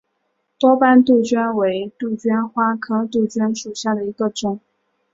多斑杜鹃为杜鹃花科杜鹃属下的一个种。